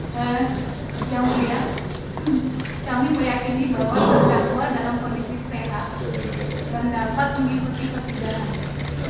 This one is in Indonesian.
dan yang mulia kami meyakini bahwa berkasual dalam kondisi senengah dan dapat mengikuti persidangan